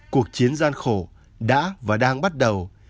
cuộc chiến gian khổ đã và đang bắt đầu